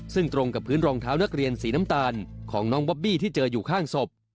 ซึ่งตรงกับพื้นรองเท้านักเรียนสีน้ำตาลของน้องบอบบี้ที่เจออยู่ข้างศพ